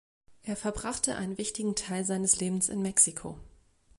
Er verbrachte einen wichtigen Teil seines Lebens in Mexiko.